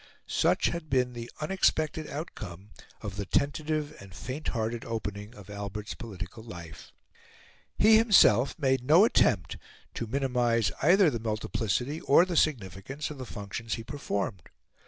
Such had been the unexpected outcome of the tentative and fainthearted opening of Albert's political life. He himself made no attempt to minimise either the multiplicity or the significance of the functions he performed.